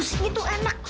businnya tuh enak